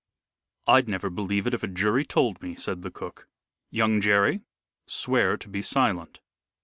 "I'd never believe it if a jury told me," said the cook. "Young Jerry, swear to be silent."